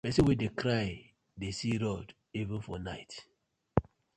Pesin wey dey cry dey see road even for night.